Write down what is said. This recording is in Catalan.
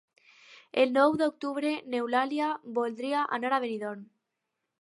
El nou d'octubre n'Eulàlia voldria anar a Benidorm.